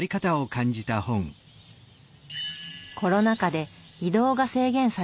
コロナ禍で移動が制限される昨今。